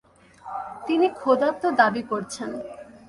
তিনি খোদাত্ব দাবি করছেন।